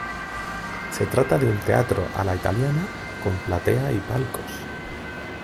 Se trata de un teatro a la italiana con platea y palcos.